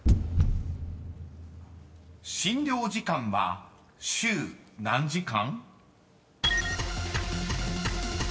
［診療時間は週何時間？］